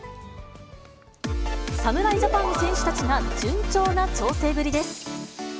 侍ジャパンの選手たちが、順調な調整ぶりです。